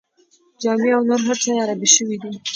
جامې او نور هر څه یې عربي شوي دي.